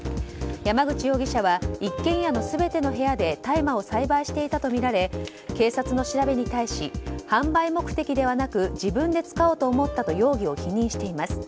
山口容疑者は一軒家の全ての部屋で大麻を栽培していたとみられ警察の調べに対し販売目的ではなく自分で使おうと思ったと容疑を否認しています。